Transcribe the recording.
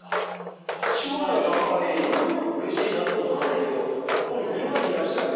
８割は高いうれしいなと思うんですけどやっぱり２割いらっしゃるっていう。